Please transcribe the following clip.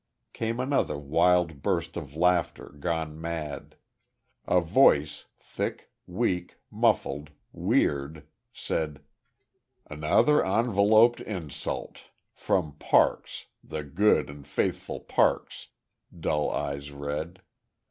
Came another wild burst of laughter gone mad. A voice, thick, weak, muffled, weird, said: "Another enveloped insult. From Parks, the good and faithful Parks." Dull eyes read.